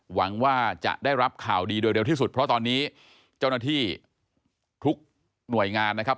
หวังว่าจะได้รับข่าวดีโดยเร็วที่สุดเพราะตอนนี้เจ้าหน้าที่ทุกหน่วยงานนะครับ